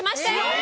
え！